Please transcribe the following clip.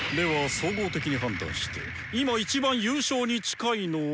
総合的に判断して今一番優勝に近いのは。